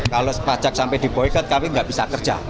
kalau pajak sampai diboykot kami nggak bisa kerja